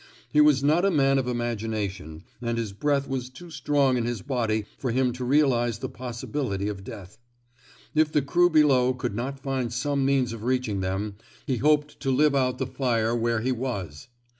He was not a man of imagina tion, and his breath was too strong in his body for him to realize the possibility of death. If the crew below could not find some means of reaching them, he hoped to live out the fire where he was!